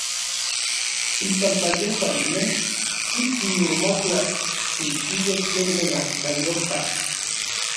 Inpampa yejuan nej ik nimotla nikchiuas tlen melajkayopaj.